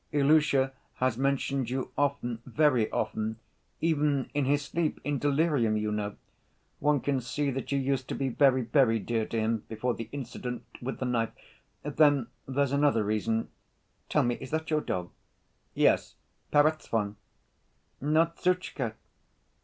"Ilusha has mentioned you often, very often, even in his sleep, in delirium, you know. One can see that you used to be very, very dear to him ... before the incident ... with the knife.... Then there's another reason.... Tell me, is that your dog?" "Yes, Perezvon." "Not Zhutchka?"